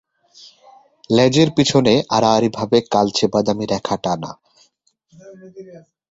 লেজের পিছনে আড়াআড়িভাবে কালচে-বাদামি রেখা টানা।